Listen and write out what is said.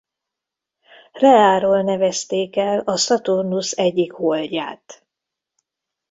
Rheáról nevezték el a Szaturnusz egyik holdját.